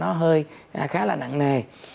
nó hơi khá là nặng nề